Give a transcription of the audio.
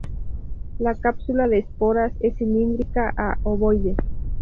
La cápsula de esporas es cilíndrica a ovoide.